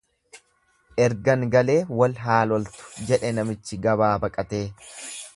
Ergan galee wal haaloltu, jedhe namichi gabaa baqatee.